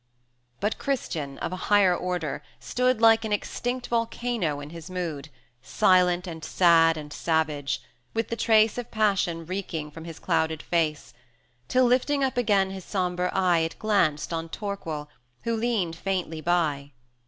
VI. But Christian, of a higher order, stood Like an extinct volcano in his mood; 140 Silent, and sad, and savage, with the trace Of passion reeking from his clouded face; Till lifting up again his sombre eye, It glanced on Torquil, who leaned faintly by.